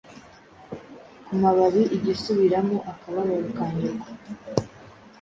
kumababi Igusubiramo akababaro ka nyoko.